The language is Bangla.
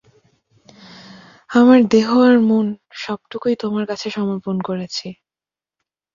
আমার দেহ আর মন, সবটুকুই তোমার কাছে সমর্পন করেছি!